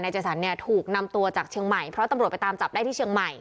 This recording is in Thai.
เจสันเนี่ยถูกนำตัวจากเชียงใหม่เพราะตำรวจไปตามจับได้ที่เชียงใหม่